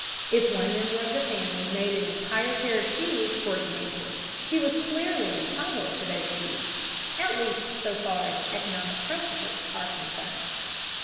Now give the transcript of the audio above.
If one member of the family made an entire pair of shoes, for example, he was clearly entitled to those shoes, at least so far as economic principles are concerned.